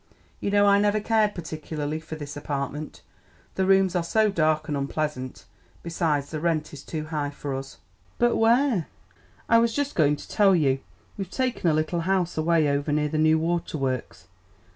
"You know I never cared particularly for this apartment, the rooms are so dark and unpleasant; besides the rent is too high for us." "But where " "I was just going to tell you; we've taken a little house away over near the new water works."